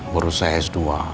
baru saya s dua